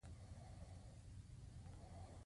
سیمولیشن د پروسې ښودنه ده.